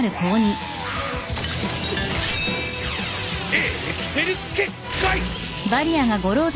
エレキテル結界！